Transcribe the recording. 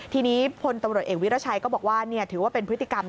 ทีนี้พลตมเฉพาะเอกวิทยาชัยถือว่าเป็นพฤติกรรม